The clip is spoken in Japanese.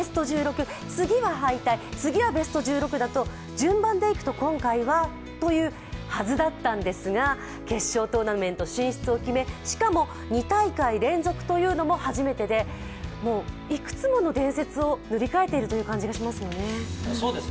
順番でいくと、今回はというはずだったんですが、決勝トーナメント進出を決めしかも２大会連続というのも初めてでもういくつもの伝説を塗り替えているという感じがしますよね。